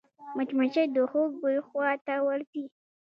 مچمچۍ د خوږ بوی خواته ورځي